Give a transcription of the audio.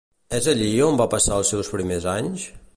És allí on va passar els seus primers anys?